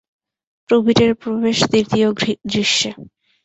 প্রবীরের প্রবেশ দ্বিতীয় দৃশ্যে।